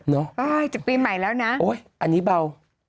เนอะอ้าวจะปีใหม่แล้วนะโอ๊ยอันนี้เบา